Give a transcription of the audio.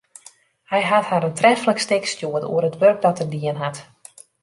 Hy hat har in treflik stik stjoerd oer it wurk dat er dien hat.